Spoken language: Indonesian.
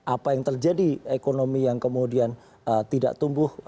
apa yang terjadi ekonomi yang kemudian tidak tumbuh